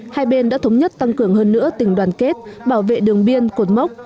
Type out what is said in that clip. hai bên đã thống nhất tăng cường hơn nữa tình đoàn kết bảo vệ đường biên cột mốc